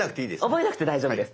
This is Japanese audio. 覚えなくて大丈夫です。